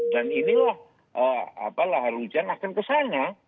dan inilah lahar hujan akan kesana